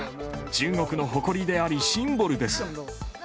中国の誇りであり、シンボルです。